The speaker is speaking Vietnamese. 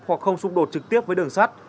hoặc không xung đột trực tiếp với đường sắt